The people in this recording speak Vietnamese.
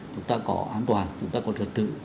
chúng ta có an toàn chúng ta còn trật tự